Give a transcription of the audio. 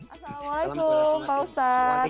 assalamualaikum pak ustadz